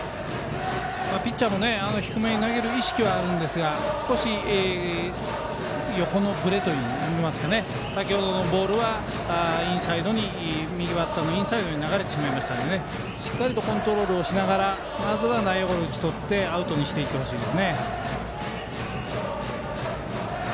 ピッチャーも低めに投げる意識はありますが少し横のぶれといいますか先程のボールは右バッターのインサイドに流れてしまいましたのでしっかりコントロールしながらまず内野ゴロで打ち取ってアウトにしていってほしいですね。